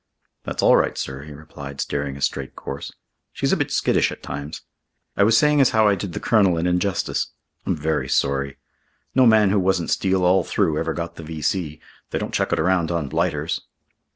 "That's all right, sir," he replied, steering a straight course. "She's a bit skittish at times. I was saying as how I did the Colonel an injustice. I'm very sorry. No man who wasn't steel all through ever got the V.C. They don't chuck it around on blighters."